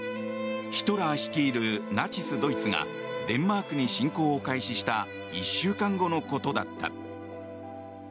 ヒトラー率いるナチスドイツがデンマークに侵攻を開始した１週間後のことだった。